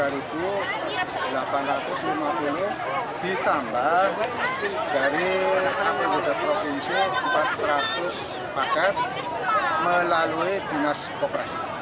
rp lima puluh ditambah dari rp empat ratus paket melalui dinas koperasi